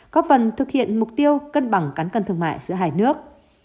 góp vần thực hiện mục tiêu cân bằng cắn cân thương mại giữa hai nước